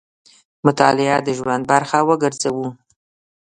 مطالعه د ژوند برخه وګرځوو.